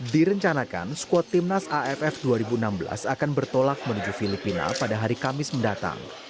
direncanakan skuad timnas aff dua ribu enam belas akan bertolak menuju filipina pada hari kamis mendatang